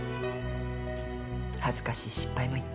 恥ずかしい失敗もいっぱい。